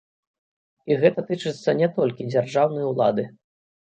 І гэта тычыцца не толькі дзяржаўнай улады.